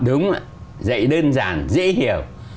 đúng ạ dạy đơn giản dễ hiểu